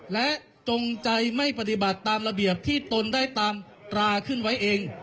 และจงใจไม่ปฏิบัติตามระเบียบที่ตนได้ตามตราขึ้นไว้เอง